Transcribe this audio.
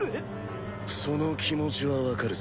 その気持ちは分かるぜ。